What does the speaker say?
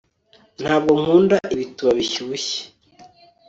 ntabwo nkunda ibituba bishyushye